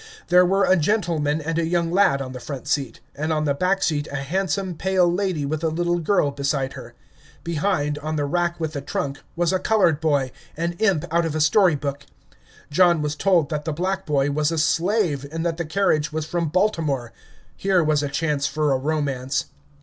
There were a gentleman and a young lad on the front seat, and on the back seat a handsome pale lady with a little girl beside her. Behind, on the rack with the trunk, was a colored boy, an imp out of a story book. John was told that the black boy was a slave, and that the carriage was from Baltimore. Here was a chance for a romance.